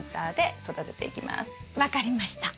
分かりました。